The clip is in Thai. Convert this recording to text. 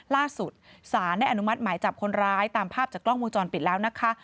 ล่าสุดสารได้อนุมัติหมายจับคนร้ายตามภาพจากกล้องวงจรปิดแล้วนะคะ